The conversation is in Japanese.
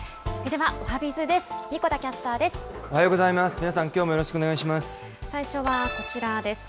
では、おはＢｉｚです。